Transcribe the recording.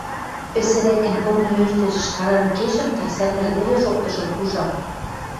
Пӹсӹрӓкӹн корны ӧрдӹжӹш каранг кешӹм дӓ сӓрнӓл веле шоктышым, ужам: